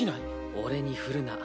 俺に振るな。